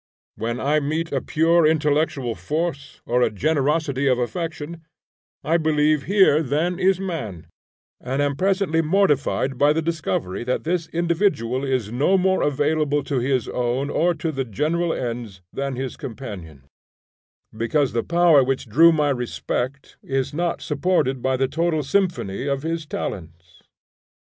When I meet a pure intellectual force or a generosity of affection, I believe here then is man; and am presently mortified by the discovery that this individual is no more available to his own or to the general ends than his companions; because the power which drew my respect is not supported by the total symphony of his talents.